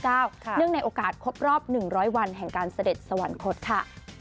เนื่องในโอกาสครบรอบ๑๐๐วันแห่งการเสด็จสวรรคตค่ะ